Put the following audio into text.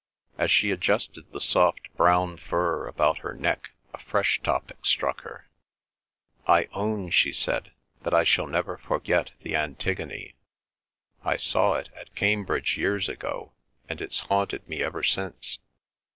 As she adjusted the soft brown fur about her neck a fresh topic struck her. "I own," she said, "that I shall never forget the Antigone. I saw it at Cambridge years ago, and it's haunted me ever since.